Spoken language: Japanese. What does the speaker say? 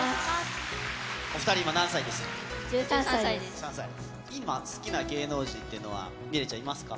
お２人、今何歳ですか？